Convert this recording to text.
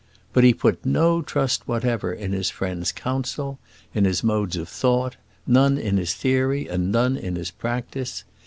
But he put no trust whatever in his friend's counsel, in his modes of thought; none in his theory, and none in his practice.